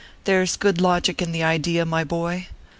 There s good logic in the idea, my boy.